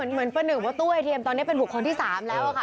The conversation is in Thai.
เหมือนประหนึ่งว่าตู้ไอเทียมตอนนี้เป็นบุคคลที่๓แล้วค่ะ